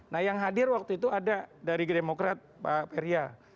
nah yang hadir waktu itu ada dari gedemokrat pak peria